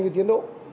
cho tiến độ